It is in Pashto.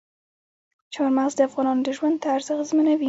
چار مغز د افغانانو د ژوند طرز اغېزمنوي.